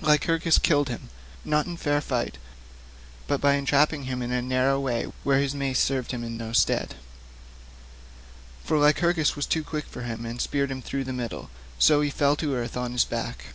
Lycurgus killed him, not in fair fight, but by entrapping him in a narrow way where his mace served him in no stead; for Lycurgus was too quick for him and speared him through the middle, so he fell to earth on his back.